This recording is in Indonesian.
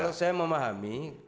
kalau saya memahami